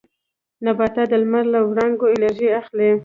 نباتات د لمر له وړانګو انرژي اخلي